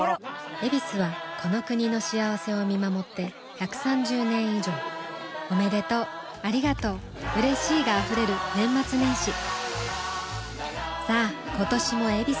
「ヱビス」はこの国の幸せを見守って１３０年以上おめでとうありがとううれしいが溢れる年末年始さあ今年も「ヱビス」で